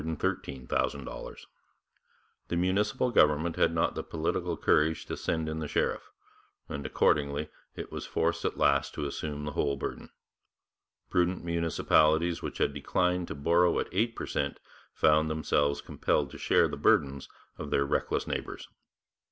The provincial government had not the political courage to send in the sheriff, and accordingly it was forced at last to assume the whole burden. Prudent municipalities which had declined to borrow at eight per cent found themselves compelled to share the burdens of their reckless neighbours.